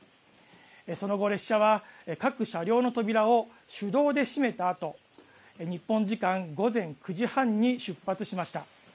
その後、列車は各車両の扉を手動で閉めたあと日本時間、午前９時半に出発しました。